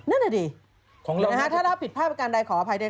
นั่นแหละดิถ้าเราผิดภาพการใดขออภัยด้วย